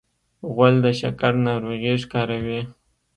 غول د شکر ناروغي ښکاروي.